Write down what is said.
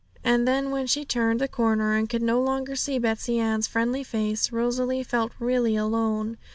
And then when she turned the corner, and could no longer see Betsey Ann's friendly face, Rosalie felt really alone.